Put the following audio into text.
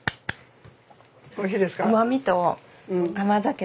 おいしいですか。